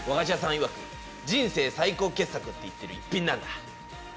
いわく「人生最高傑作」って言ってる逸品なんだ。